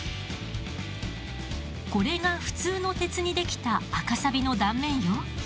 これが普通の鉄にできた赤サビの断面よ。